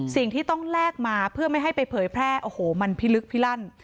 สิ่งที่ต้องแลกมาเพื่อไม่ให้ไปเผยแพร่โอ้โหมันพิลึกพิลั่น